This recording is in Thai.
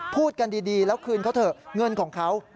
พูดกันดีแล้วคืนเขาเถอะเงินของเขา